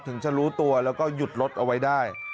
ถึงจะรู้ตัวแล้วก็หยุดรถเอาไว้ได้